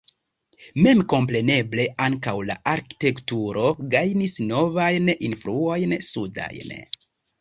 Memkompreneble ankaŭ la arkitekturo gajnis novajn influojn sudajn.